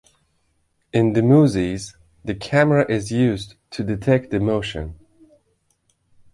In "Mozzies", the Camera is used to detect the motion.